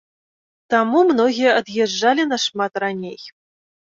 Таму многія ад'язджалі нашмат раней.